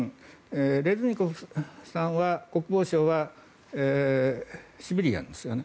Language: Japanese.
レズニコフ国防相はシビリアンですよね。